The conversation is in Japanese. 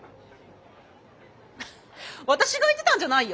私が言ってたんじゃないよ。